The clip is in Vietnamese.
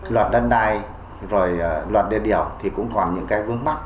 luật đất đai rồi luật đê điều thì cũng còn những cái vướng mắt